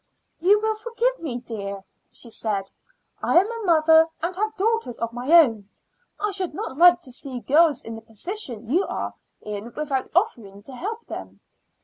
"You will forgive me, dear," she said; "I am a mother and have daughters of my own. I should not like to see girls in the position you are in without offering to help them."